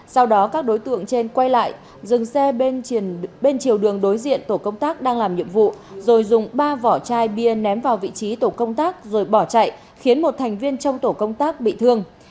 sau đó các đối tượng trên quay lại dừng xe bên chiều đường đối diện tổ công tác đang làm nhiệm vụ rồi dùng ba vỏ chai bia ném vào vị trí tổ công tác rồi bỏ chạy khiến một thành viên trong tổ công tác bị thương